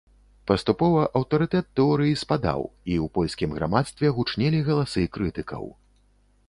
Паступова аўтарытэт тэорыі спадаў, і ў польскім грамадстве гучнелі галасы крытыкаў.